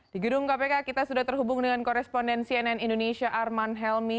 di gedung kpk kita sudah terhubung dengan koresponden cnn indonesia arman helmi